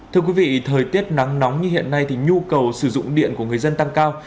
thưa quý vị thời tiết nắng nóng như hiện nay thì nhu cầu sử dụng điện của người dân tăng cao